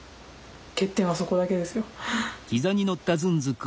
欠点はそこだけですよ。